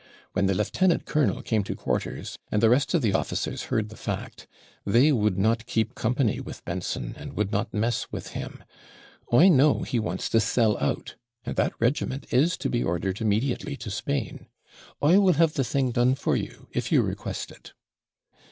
When the lieutenant colonel came to quarters, and the rest of the officers heard the fact, they would not keep company with Benson, and would not mess with him. I know he wants to sell out; and that regiment is to be ordered immediately to Spain. I will have the thing done for you, if you request it.'